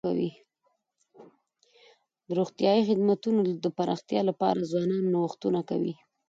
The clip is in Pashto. د روغتیايي خدمتونو د پراختیا لپاره ځوانان نوښتونه کوي.